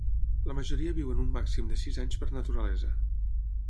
La majoria viuen un màxim de sis anys per naturalesa.